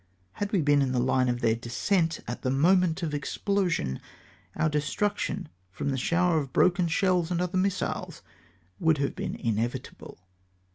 Had we been in the line of their descent, at the moment of explosion, our destruction, from the shower of broken shells and other missiles, would have been mevitable.